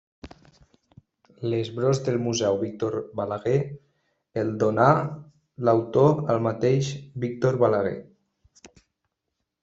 L'esbós del Museu Víctor Balaguer el donà l'autor al mateix Víctor Balaguer.